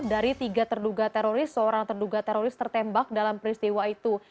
dari tiga terduga teroris seorang terduga teroris tertembak dalam peristiwa itu